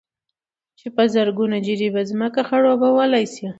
چې په زرگونو جرېبه ځمكه خړوبولى شي،